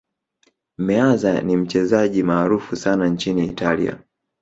meazza ni mchezaji maarufu sana nchini italia